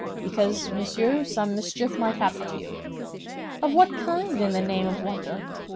"Because, monsieur, some mischief might happen to you." "Of what kind, in the name of wonder?"